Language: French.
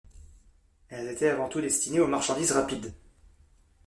Elles étaient avant-tout destinée aux marchandises rapides.